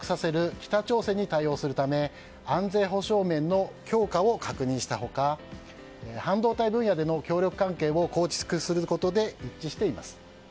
北朝鮮に対応するため安全保障面の強化を確認した他半導体分野での協力関係を構築することで一致しています。